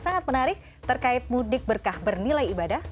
sangat menarik terkait mudik berkah bernilai ibadah